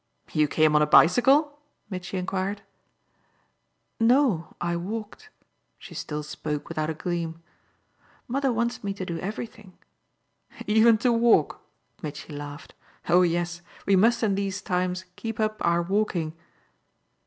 "You came on a bicycle?" Mitchy enquired. "No, I walked." She still spoke without a gleam. "Mother wants me to do everything." "Even to walk!" Mitchy laughed. "Oh yes, we must in these times keep up our walking!"